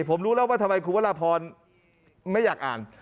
ผมรู้แล้วว่าทำไมคุณวรพรไม่อยากอ่าน